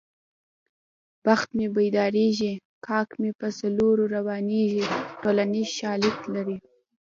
بخت مې پیدارېږي کاک مې په څلور روانېږي ټولنیز شالید لري